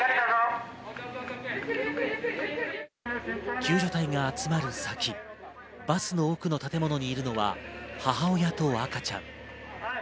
救助隊が集まる先、バスの奥の建物にいるのは母親と赤ちゃん。